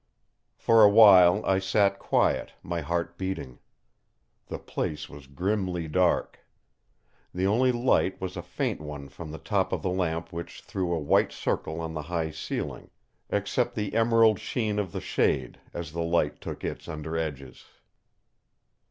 For a while I sat quiet, my heart beating. The place was grimly dark. The only light was a faint one from the top of the lamp which threw a white circle on the high ceiling, except the emerald sheen of the shade as the light took its under edges.